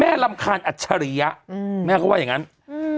รำคาญอัจฉริยะอืมแม่เขาว่าอย่างงั้นอืม